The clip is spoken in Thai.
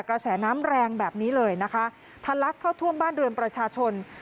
กระแสน้ำแรงแบบนี้เลยนะคะทะลักเข้าท่วมบ้านเรือนประชาชน